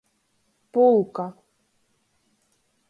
Pulka.